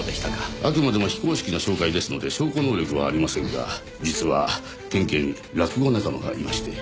あくまでも非公式な照会ですので証拠能力はありませんが実は県警に落語仲間がいまして。